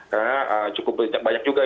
karena cukup banyak juga